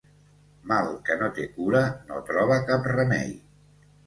Mal que no té cura no troba cap remei.